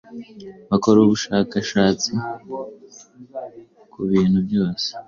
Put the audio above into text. bakora ubushakashatsi ku bintu byose.